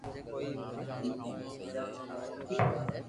ھين اوني ھمجاو ڪو متي جا